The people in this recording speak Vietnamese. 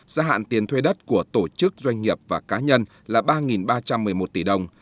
gia hạn tiền thuê đất của tổ chức doanh nghiệp và cá nhân là ba ba trăm một mươi một tỷ đồng